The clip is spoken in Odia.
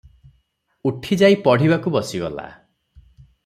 ଉଠି ଯାଇ ପଢ଼ିବାକୁ ବସିଗଲା।